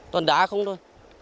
toàn đá không thôi